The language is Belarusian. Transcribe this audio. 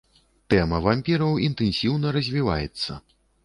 Тэма вампіраў інтэнсіўна развіваецца.